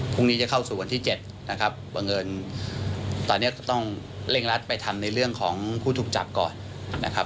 พรุ่งนี้จะเข้าสู่วันที่๗นะครับบังเอิญตอนนี้ก็ต้องเร่งรัดไปทำในเรื่องของผู้ถูกจับก่อนนะครับ